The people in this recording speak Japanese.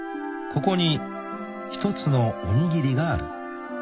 ［ここに一つのおにぎりがある］